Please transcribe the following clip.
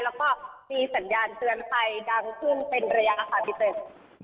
แล้วก็มีสัญญาณเตือนภัยดังขึ้นเป็นระยะค่ะพี่เต็ก